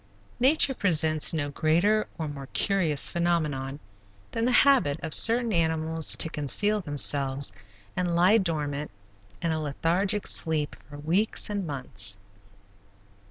Nature presents no greater or more curious phenomenon than the habit of certain animals to conceal themselves and lie dormant, in a lethargic sleep, for weeks and months.